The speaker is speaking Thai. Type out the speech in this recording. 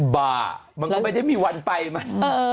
บ้ามันก็ไม่ได้มีวันไปมั้ง